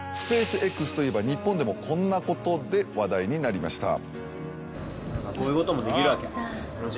ＳｐａｃｅＸといえば日本でもこんなことで話題になりました。